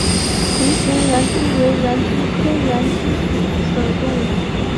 横形园蛛为园蛛科园蛛属的动物。